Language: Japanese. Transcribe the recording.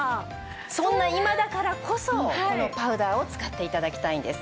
そんな今だからこそこのパウダーを使って頂きたいんです。